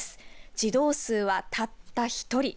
児童数はたった１人。